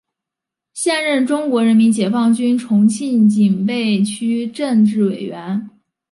现任中国人民解放军重庆警备区政治委员。